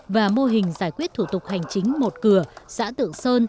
và mô hình giải quyết thủ tục hành chính một cửa xã tự sơn